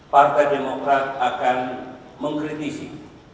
partai demokrat akan mengkritisi